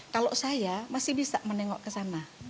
kalau saya masih bisa menengok ke sana